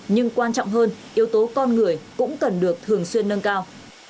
nhưng quan trọng hơn yếu tố con người cũng cần được thường xuyên nâng cao